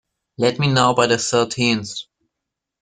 Let me know by the thirteenth.